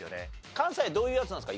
関西どういうやつなんですか？